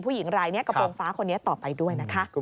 ผู้หญิงรายนี้กระโปรงฟ้าคนนี้ต่อไปด้วยนะคะ